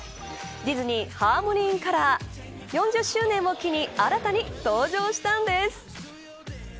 ディズニー・ハーモニー・イン・カラー４０周年を機に新たに登場したんです。